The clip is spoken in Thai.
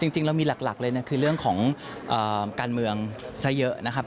จริงเรามีหลักเลยนะคือเรื่องของการเมืองซะเยอะนะครับ